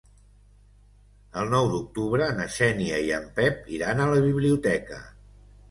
El nou d'octubre na Xènia i en Pep iran a la biblioteca.